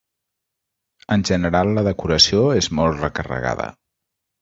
En general la decoració és molt recarregada.